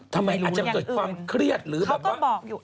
ทำไมอาจจะเกิดความเครียดหรือแบบว่าเขาก็บอกอยู่